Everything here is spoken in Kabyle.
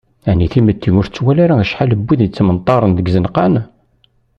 Ɛni timetti ur tettwali ara acḥal n wid i yettmenṭaren deg yizenqan,?